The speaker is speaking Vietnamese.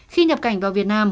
khi nhập cảnh vào việt nam